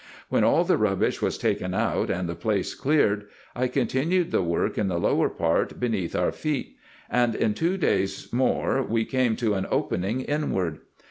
When all the rubbish was taken out, and the place cleared, I continued the work in the lower part beneath our feet ; and in two days more we came to an opening inward.